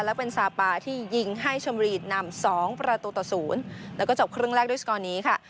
และเป็นซาปาที่ยิงให้ชมบุรีนำ๒ประตูต่อ๐แล้วก็จบครึ่งแรกด้วยสกอร์นี้ค่ะ